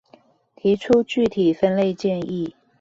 提出具體分類建議